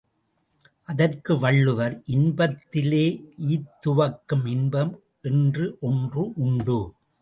அதற்கு வள்ளுவர்— இன்பத்திலே ஈத்துவக்கும் இன்பம் என்று ஒன்று உண்டு.